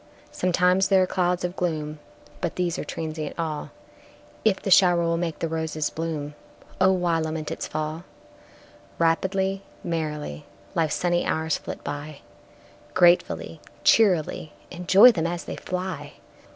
Sometimes there are clouds of gloom, But these are transient all; If the shower will make the roses bloom, O why lament its fall? Rapidly, merrily, Life's sunny hours flit by, Gratefully, cheerily Enjoy them as they fly!